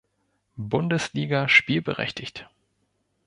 Bundesliga spielberechtigt.